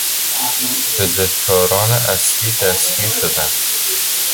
بزهکاران اصلی دستگیر شدند.